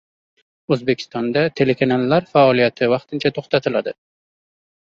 O‘zbekistonda telekanallar faoliyati vaqtincha to‘xtatiladi